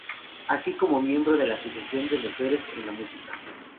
Así como miembro de la Asociación de mujeres en la música.